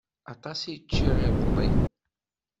Aṭas i ččiɣ iḍelli.